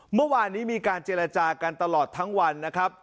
เมื่อวานนี้มีการเจรจากันตลอดทั้งวันนะครับ